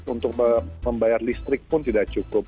untuk membayar listrik pun tidak cukup